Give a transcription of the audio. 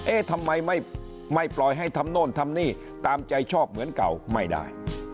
ทำไมไม่ปล่อยให้ทำโน่นทำนี่ตามใจชอบเหมือนเก่าไม่ได้